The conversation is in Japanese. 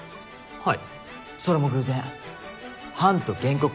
はい。